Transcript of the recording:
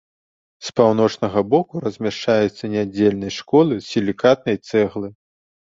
З паўночнага боку размяшчаецца нядзельнай школы з сілікатнай цэглы.